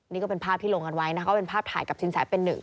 นี่ก็เป็นภาพที่ลงกันไว้นะก็เป็นภาพถ่ายกับสินแสเป็นหนึ่ง